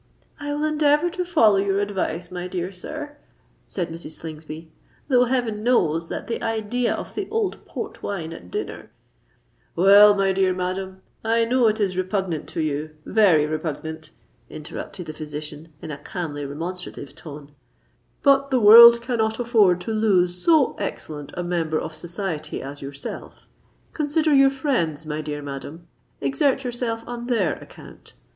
"I will endeavour to follow your advice, my dear sir," said Mrs. Slingsby; "though heaven knows that the idea of the old Port wine at dinner——" "Well, my dear madam—I know it is repugnant to you—very repugnant," interrupted the physician in a calmly remonstrative tone: "but the world cannot afford to lose so excellent a member of society as yourself. Consider your friends, my dear madam—exert yourself on their account.